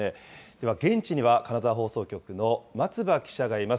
では、現地には金沢放送局の松葉記者がいます。